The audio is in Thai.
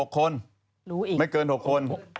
๖คนไม่เกิน๖คน